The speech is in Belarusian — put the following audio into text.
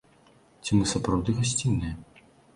Ці мы сапраўды гасцінныя?